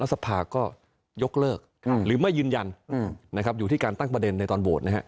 สภาก็ยกเลิกหรือไม่ยืนยันนะครับอยู่ที่การตั้งประเด็นในตอนโหวตนะฮะ